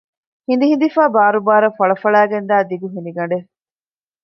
ހިނދިހިނދިފައި ބާރުބާރަށް ފަޅަފަޅައިގެންދާ ދިގު ހިނިގަނޑެއް